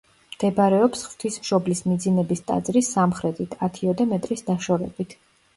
მდებარეობს ღვთისმშობლის მიძინების ტაძრის სამხრეთით, ათიოდე მეტრის დაშორებით.